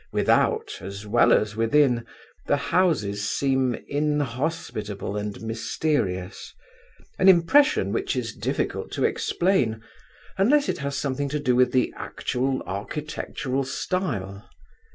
Without as well as within, the houses seem inhospitable and mysterious—an impression which is difficult to explain, unless it has something to do with the actual architectural style.